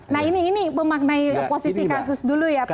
nah ini memaknai posisi kasus dulu ya pak